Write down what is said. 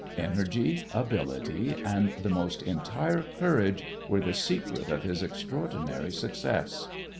Energy, ability, and the most entire courage were the secret of his extraordinary success.